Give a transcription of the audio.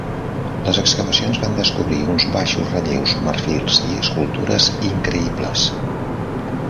Les excavacions van descobrir uns baixos relleus, marfils i escultures increïbles.